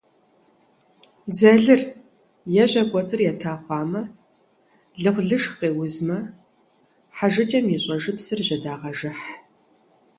Дзэлыр е жьэ кӏуэцӏыр ета хъуамэ, лыхъулышх къеузмэ, хьэжыкӏэм и щӏэжыпсыр жьэдагъэжыхь.